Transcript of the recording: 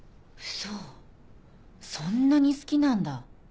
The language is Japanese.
そんなに好きなんだ書道。